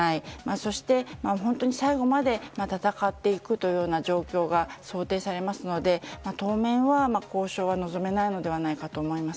そして、本当に最後まで戦っていくというような状況が想定されますので当面は、交渉は望めないのではないかと思います。